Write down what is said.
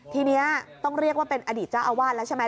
ทีนี้ต้องเรียกว่าเป็นอดีตเจ้าอาวาสแล้วใช่ไหม